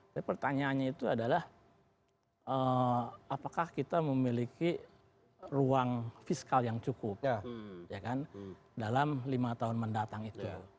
tapi pertanyaannya itu adalah apakah kita memiliki ruang fiskal yang cukup dalam lima tahun mendatang itu